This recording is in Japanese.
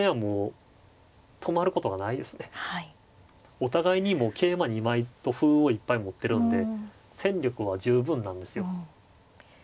お互いにもう桂馬２枚と歩をいっぱい持ってるんで戦力は十分なんですよ。